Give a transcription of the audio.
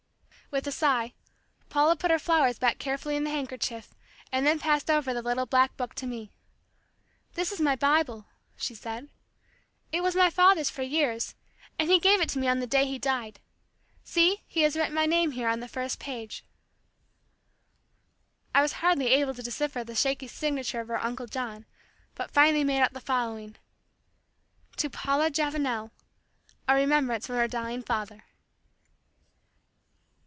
With a sigh, Paula put her flowers back carefully in the handkerchief, and then passed over the little black book to me. "This is my Bible," she said. "It was my father's for years, and he gave it to me on the day he died. See, he has written my name here on the first page." I was hardly able to decipher the shaky signature of our Uncle John, but finally made out the following, "To PAULA JAVANEL A remembrance from her dying father."